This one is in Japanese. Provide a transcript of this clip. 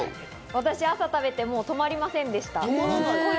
私、朝食べて止まりませんでした。